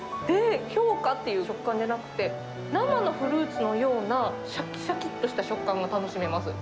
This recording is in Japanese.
氷菓っていう食感じゃなくって、生のフルーツのようなしゃきしゃきっとした食感が楽しめます。